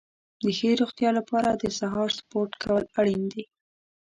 د ښې روغتیا لپاره سهار سپورت کول اړین دي.